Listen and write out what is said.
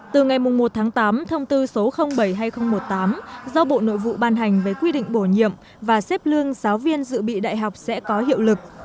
từ ngày một tháng tám thông tư số bảy hai nghìn một mươi tám do bộ nội vụ ban hành với quy định bổ nhiệm và xếp lương giáo viên dự bị đại học sẽ có hiệu lực